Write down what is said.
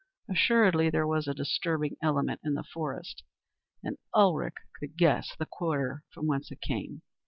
Assuredly there was a disturbing element in the forest, and Ulrich could guess the quarter from whence it came.